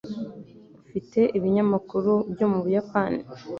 Ufite ibinyamakuru byo mu Buyapani?